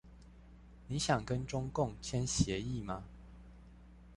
你想跟中共簽協議嗎？